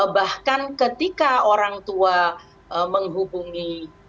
bahkan ketika orang tua menghubungi